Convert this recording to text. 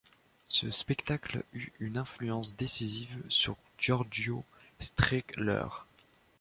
Ce spectacle eut une influence décisive sur Giorgio Strehler.